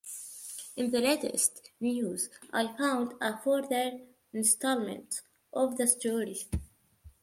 In the latest news I found a further instalment of the story.